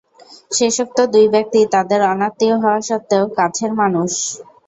শেষোক্ত দুই ব্যক্তি তাদের অনাত্মীয় হওয়া সত্বেও কাছের মানুষ।